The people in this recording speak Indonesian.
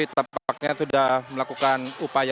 tampaknya sudah melakukan upaya